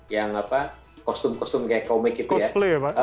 yang apa kostum kostum kayak komik gitu ya